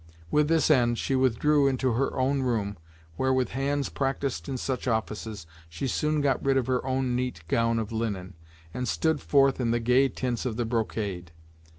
With this end, she withdrew into her own room, where with hands practised in such offices, she soon got rid of her own neat gown of linen, and stood forth in the gay tints of the brocade.